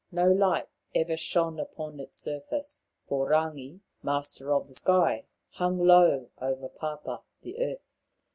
No light ever shone upon its surface, for Rangi, Master of the Sky, hung low over Papa, the earth.